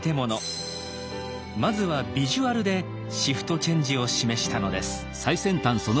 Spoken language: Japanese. まずはビジュアルでシフトチェンジを示したのです。